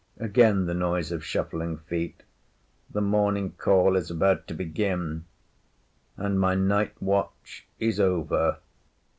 Again the noise of shuffling feet. The morning call is about to begin, and my night watch is over.